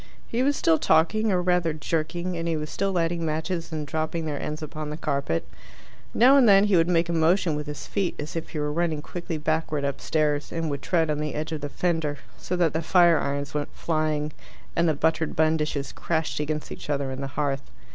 He was still talking, or rather jerking, and he was still lighting matches and dropping their ends upon the carpet. Now and then he would make a motion with his feet as if he were running quickly backward upstairs, and would tread on the edge of the fender, so that the fire irons went flying and the buttered bun dishes crashed against each other in the hearth.